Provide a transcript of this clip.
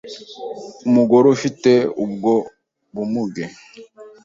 umugoreufite ubwo bumuge